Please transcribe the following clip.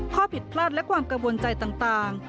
ข้อผิดพลาดและความกังวลใจต่าง